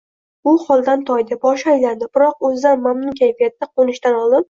U holdan toydi, boshi aylandi, biroq o‘zidan mamnun kayfiyatda qo‘nishdan oldin